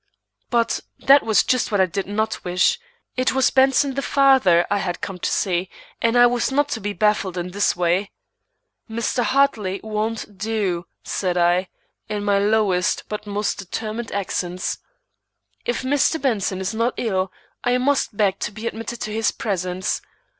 But that was just what I did not wish. It was Benson the father I had come to see, and I was not to be baffled in this way. "Mr. Hartley won't do," said I, in my lowest but most determined accents. "If Mr. Benson is not ill, I must beg to be admitted to his presence."